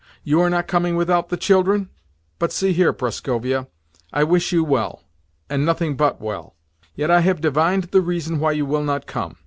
You are not coming without the children? But see here, Prascovia. I wish you well, and nothing but well: yet I have divined the reason why you will not come.